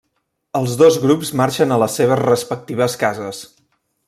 Els dos grups marxen a les seves respectives cases.